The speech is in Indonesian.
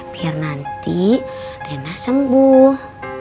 biar nanti rena sembuh